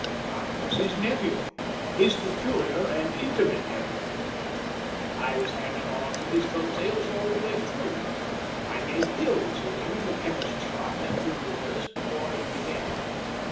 I was his nephew, his peculiar and intimate nephew. I was hanging on to his coat tails all the way through. I made pills with him in the chemist's shop at Wimblehurst before he began.